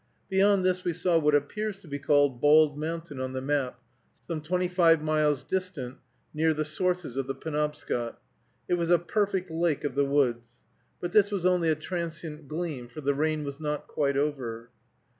Beyond this we saw what appears to be called Bald Mountain on the map, some twenty five miles distant, near the sources of the Penobscot. It was a perfect lake of the woods. But this was only a transient gleam, for the rain was not quite over.